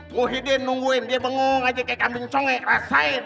muhyiddin nungguin dia bengong aja kayak kambing congek rasain